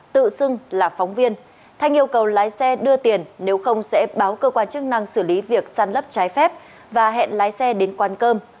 tự xưng là phóng viên thanh yêu cầu lái xe đưa tiền nếu không sẽ báo cơ quan chức năng xử lý việc săn lấp trái phép và hẹn lái xe đến quán cơm